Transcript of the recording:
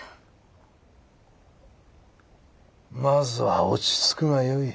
まずは落ち着くがよい。